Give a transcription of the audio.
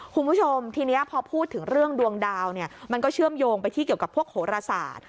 คุณผู้ชมทีนี้พอพูดถึงเรื่องดวงดาวเนี่ยมันก็เชื่อมโยงไปที่เกี่ยวกับพวกโหรศาสตร์